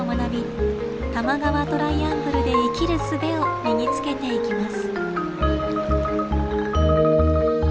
多摩川トライアングルで生きるすべを身につけていきます。